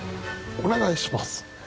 お願いします。